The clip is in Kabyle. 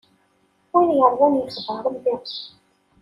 Win iṛwan ixdeɛ Ṛebbi.